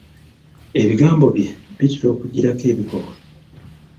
Ebigambo bye bitera okujjirako ebikolwa.